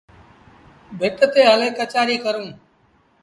ڀٽ تي هلي ڪچهريٚ ڪرون۔